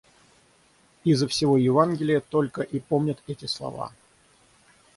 Изо всего Евангелия только и помнят эти слова.